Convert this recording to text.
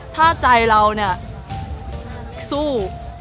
ถ้าใจเราเนี่ย